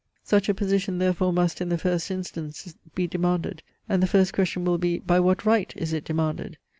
Such a position therefore must, in the first instance be demanded, and the first question will be, by what right is it demanded?